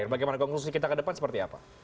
bagaimana konklusi kita ke depan seperti apa